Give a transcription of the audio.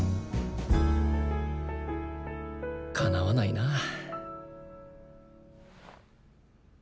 かなわないなぁ。